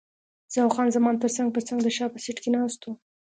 زه او خان زمان څنګ پر څنګ د شا په سیټ کې ناست وو.